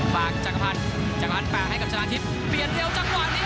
ฝากจังหวังฟันจังหวังฟันให้กับชนานทิพย์เปลี่ยนเร็วจังหวังนี้